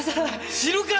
知るかよ